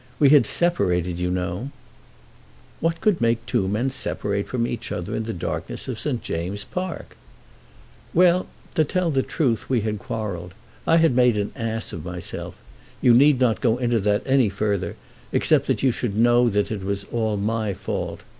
We had separated, you know, " "What could make two men separate from each other in the darkness of St. James's Park?" "Well, to tell the truth, we had quarrelled. I had made an ass of myself. You need not go into that any further, except that you should know that it was all my fault.